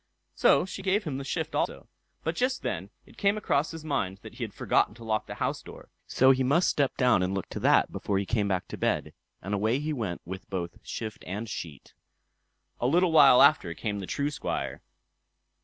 So she gave him the shift also. But just then it came across his mind that he had forgotten to lock the house door, so he must step down and look to that before he came back to bed, and away he went with both shift and sheet. A little while after came the true Squire.